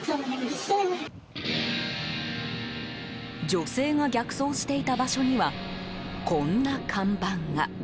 女性が逆走していた場所にはこんな看板が。